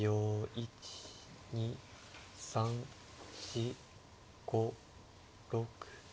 １２３４５６。